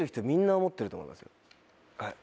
みんな思ってると思いますよ。